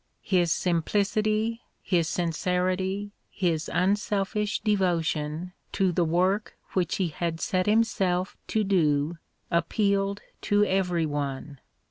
His simplicity, his sin cerity, his unselfish devotion to the work which he had set himself to do appealed to every one.